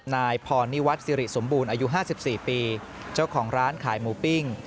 นายพรณีวัดสิริสมบูรณ์อายุห้าสิบสี่ปีเจ้าของร้านขายหมูปิ้ง